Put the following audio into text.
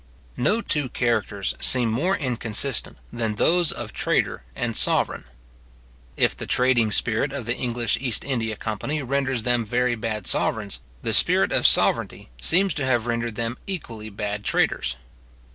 No two characters seem more inconsistent than those of trader and sovereign. If the trading spirit of the English East India company renders them very bad sovereigns, the spirit of sovereignty seems to have rendered them equally bad traders.